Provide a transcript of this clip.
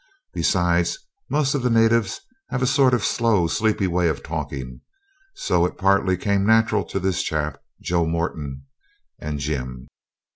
Besides, most of the natives have a sort of slow, sleepy way of talking, so it partly came natural to this chap, Joe Moreton, and Jim.